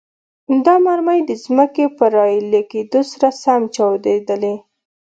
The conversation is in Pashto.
دا مرمۍ د ځمکې پر راایلې کېدو سره سم چاودیدلې.